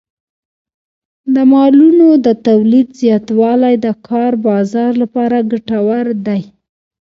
د مالونو د تولید زیاتوالی د کار بازار لپاره ګټور دی.